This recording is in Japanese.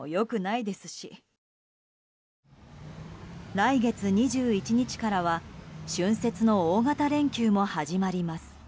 来月２１日からは春節の大型連休も始まります。